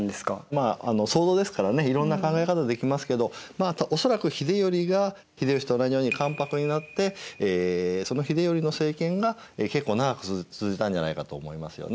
まあ想像ですからねいろんな考え方できますけど恐らく秀頼が秀吉と同じように関白になってその秀頼の政権が結構長く続いたんじゃないかと思いますよね。